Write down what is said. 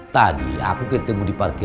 tadi aku ketemu di partai